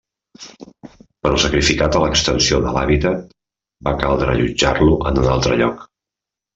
Però sacrificat a l'extensió de l'hàbitat, va caldre allotjar-lo en un altre lloc.